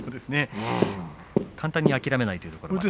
簡単に諦めないというところですかね。